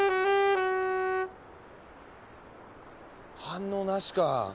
反応なしか。